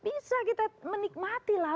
bisa kita menikmati air coklat